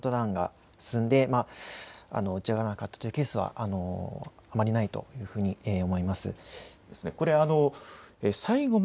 このようにカウントダウンが進んで打ち上がらなかったというケースはあまりないというふうに思います。